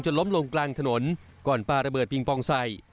จนล้มลงกลางถนนก่อนประเบิดปลิ่นห้องปลองไส